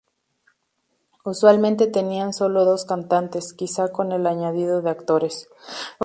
Usualmente tenían sólo dos cantantes, quizá con el añadido de actores.